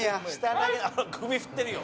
「首振ってるよ